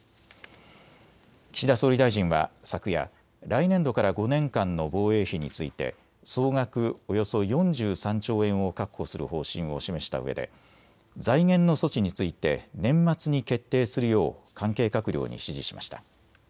岸田総理大臣は昨夜、来年度から５年間の防衛費について総額およそ４３兆円を確保する方針を示したうえで財源の措置について年末に決定するよう関係閣僚に指示しました。